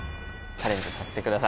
チャレンジさせてください。